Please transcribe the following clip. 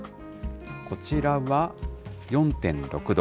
こちらは４．６度。